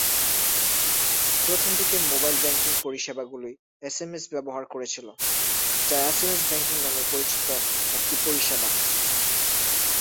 প্রথম দিকের mobile banking পরিষেবাগুলি এসএমএস ব্যবহার করেছিল, যা এসএমএস ব্যাংকিং নামে পরিচিত একটি পরিষেবা।